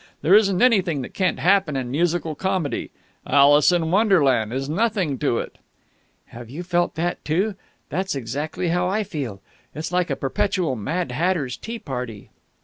There isn't anything that can't happen in musical comedy. 'Alice in Wonderland' is nothing to it." "Have you felt that, too? That's exactly how I feel. It's like a perpetual 'Mad Hatter's Tea Party.'"